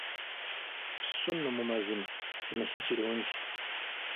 So nno mu mazima, kino si kirungi.